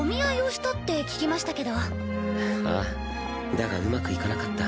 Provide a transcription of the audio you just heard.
だがうまくいかなかった。